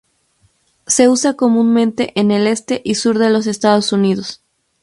Se usa comúnmente en el este y sur de los Estados Unidos.